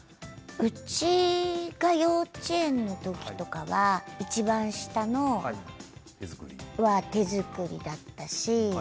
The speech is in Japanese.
うちが幼稚園の時とかはいちばん下のは手作りだったし。